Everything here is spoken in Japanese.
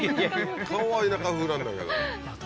顔は田舎風なんだけど所